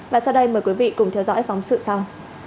và sau đây mời quý vị cùng theo dõi phóng sự sau